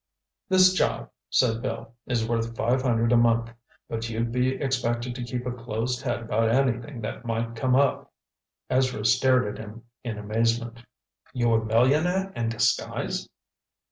"This job," said Bill, "is worth five hundred a month, but you'd be expected to keep a closed head about anything that might come up." Ezra stared at him in amazement. "You a millionaire in disguise?"